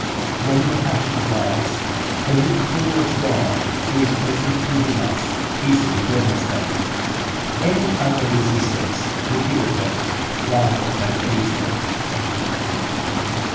When the passions rise, a look towards God, who is present within us, easily deadens them. Any other resistance would irritate rather than appease them.